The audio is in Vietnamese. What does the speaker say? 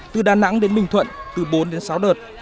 từ đà nẵng đến bình thuận từ bốn đến sáu đợt